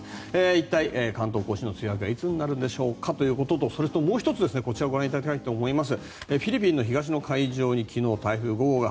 一体関東・甲信の梅雨明けはいつになるのかとそれともう１つ、こちらご覧いただきたいと思います。